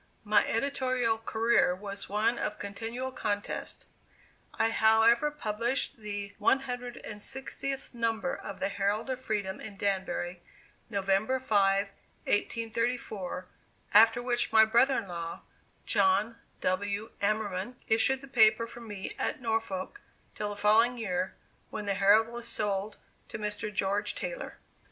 My editorial career was one of continual contest. I however published the 160th number of The Herald of Freedom in Danbury, November 5, 1834, after which my brother in law, John W. Amerman, issued the paper for me at Norwalk till the following year, when the Herald was sold to Mr. George Taylor.